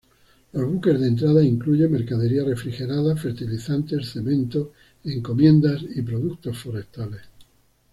Los buques de entrada incluye mercadería refrigerada, fertilizantes, cemento, encomiendas y productos forestales.